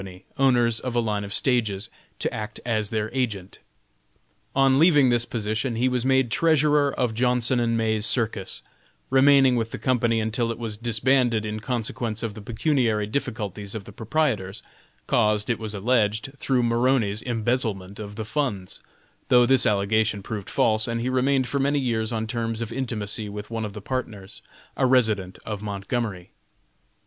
owners of a line of stages, to act as their agent. On leaving this position, he was made treasurer of Johnson & May's circus, remaining with the company until it was disbanded in consequence of the pecuniary difficulties of the proprietors caused, it was alleged, through Maroney's embezzlement of the funds, though this allegation proved false, and he remained for many years on terms of intimacy with one of the partners, a resident of Montgomery.